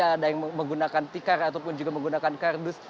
ada yang menggunakan tikar ataupun juga menggunakan kardus